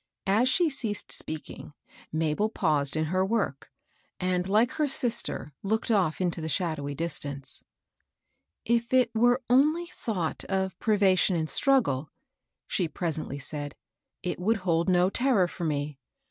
As she ceased speaking, Mabel paused in her work, and, like her sister, looked off into the shadowy distance. " If it were only thought of privation and strug gle," she presently s^d, it would hold no terror for me